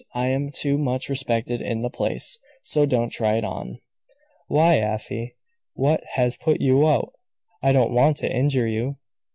I am too much respected in the place. So don't try it on." "Why, Afy, what has put you out? I don't want to injure you.